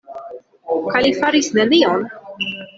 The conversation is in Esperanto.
Kaj li faris nenion?